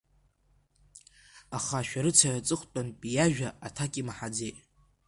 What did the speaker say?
Аха ашәарыцаҩ аҵыхәтәантәи иажәа аҭак имаҳаӡеит.